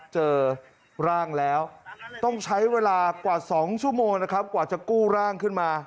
เจอร่างแล้วต้องใช้เวลากว่า๒ชั่วโมงนะครับกว่าจะกู้ร่างขึ้นมา